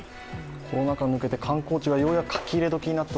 コロナ禍を抜けて、観光地が書き入れ時になって